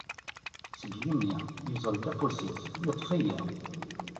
Seg yigenni, iẓẓel-d afus-is, iṭṭef-iyi.